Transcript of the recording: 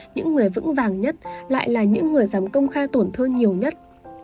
những người vững vàng nhất lại là những người dám công khai tổn thương nhiều nhất